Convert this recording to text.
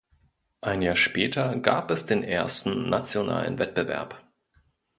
Ein Jahr später gab es den ersten nationalen Wettbewerb.